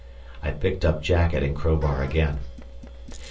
I picked up jacket and crowbar again.